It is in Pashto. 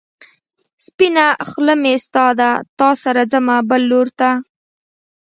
سپينه خلۀ مې ستا ده، تا سره ځمه بل لور ته